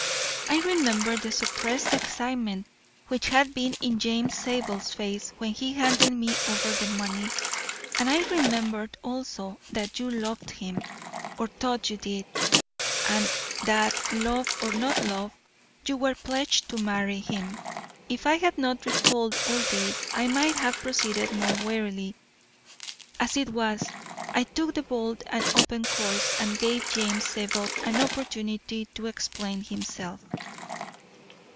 I remembered the suppressed excitement which had been in James Zabel's face when he handed me over the money, and I remembered also that you loved him, or thought you did, and that, love or no love, you were pledged to marry him. If I had not recalled all this I might have proceeded more warily. As it was, I took the bold and open course and gave James Zabel an opportunity to explain himself.